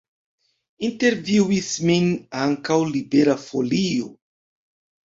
Intervjuis min ankaŭ Libera Folio.